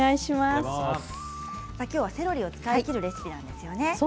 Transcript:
今日はセロリを使い切るレシピなんですよね。